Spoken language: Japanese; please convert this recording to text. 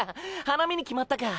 花見に決まったか。